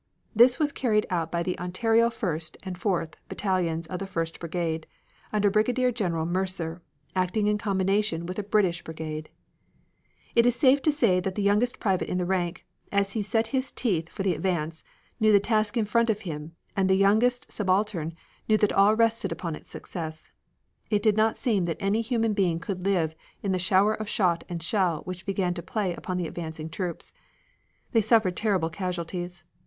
This was carried out by the Ontario First and Fourth battalions of the First brigade, under Brigadier General Mercer, acting in combination with a British brigade. [Illustration: Map: Ypres and the surroundings.] THE TOWN OF YPRES IS FULL OF MEMORIES FOR THE CANADIANS It is safe to say that the youngest private in the rank, as he set his teeth for the advance, knew the task in front of him, and the youngest subaltern knew all that rested upon its success. It did not seem that any human being could live in the shower of shot and shell which began to play upon the advancing troops. They suffered terrible casualties.